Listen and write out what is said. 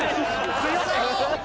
すみません。